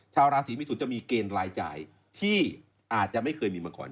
ชาวราศีมิถุนจะมีเกณฑ์รายจ่ายที่อาจจะไม่เคยมีมาก่อน